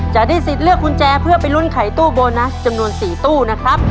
จะได้สิทธิ์เลือกกุญแจเพื่อไปลุ้นไขตู้โบนัสจำนวน๔ตู้นะครับ